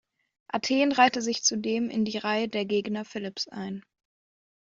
Athen reihte sich zudem in die Reihe der Gegner Philipps ein.